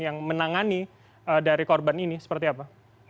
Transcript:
yang menangani dari korban ini seperti apa